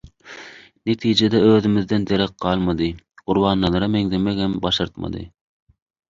netijede özümizden derek galmady, Gurbannazara meňzemegem başartmady.